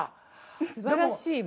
すばらしいもう。